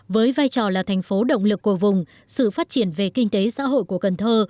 với vai trò là thành phố động lực của vùng sự phát triển về kinh tế xã hội của cần thơ